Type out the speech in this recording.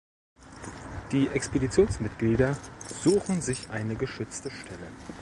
Die Expeditionsmitglieder suchen sich eine geschützte Stelle.